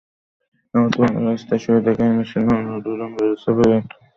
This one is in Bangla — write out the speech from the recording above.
এসময় রাস্তায় শুয়ে থাকা ছিন্নমূল দুজন মানুষ গাড়ির চাপায় গুরুতর আহত হয়েছেন।